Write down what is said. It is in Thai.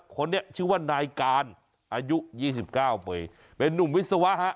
คนนี้ชื่อว่านายการอายุ๒๙ปีเป็นนุ่มวิศวะฮะ